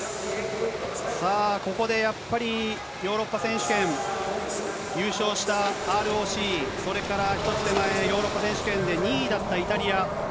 さあ、ここでやっぱり、ヨーロッパ選手権優勝したＲＯＣ、それから１つ手前、ヨーロッパ選手権で２位だったイタリア。